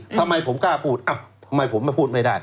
ทำไมผมกล้าพูดทำไมผมไม่พูดไม่ได้